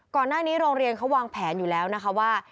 ก่อนหน้านี้โรงเรียนเขาวางแผนอยู่แล้วนะคะว่า